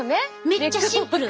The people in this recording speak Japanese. めっちゃシンプル。